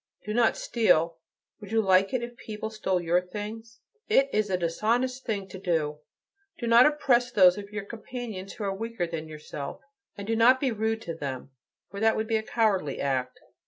Do not steal: would you like it if people stole your things? It is a dishonest thing to do. Do not oppress those of your companions who are weaker than yourself, and do not be rude to them, for that would be a cowardly act.'